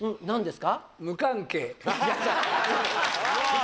何ですか？